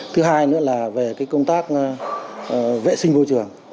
thứ hai nữa là về cái công tác vệ sinh vô trường